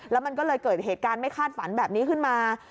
แล้วมันก็เลยเกิดเหตุการณ์ไม่คาดฝันแบบนี้ขึ้นมา